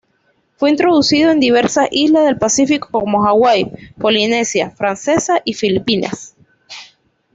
Fue introducido en diversas islas del Pacífico como Hawái, Polinesia Francesa y Filipinas.